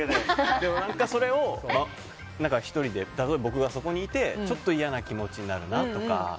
でも例えば僕がそこにいたらちょっと嫌な気持ちになるなとか。